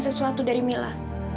sesuatu dari mila